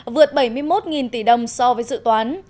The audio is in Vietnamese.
vượt bảy mươi một tỷ đồng so với dự toán